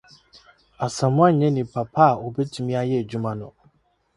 Asamoa nyɛ nipa pa a obetumi ayɛ adwuma no.